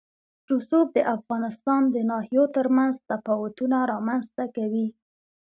رسوب د افغانستان د ناحیو ترمنځ تفاوتونه رامنځ ته کوي.